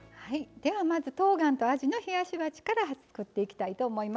ではまずとうがんとあじの冷やし鉢から作っていきたいと思います。